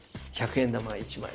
１００円玉１枚。